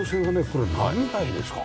これ何台ですか？